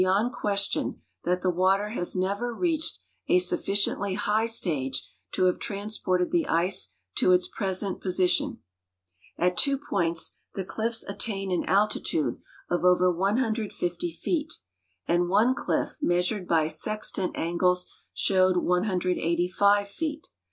yond question that the Avater has never reached a sufficiently high stage to have transi>orted the ice to its present position. At tAvo points the cliffs attain an altitude of OA'er 150 feet, and one cliff measured b}'' sextant angles showed 185 feet.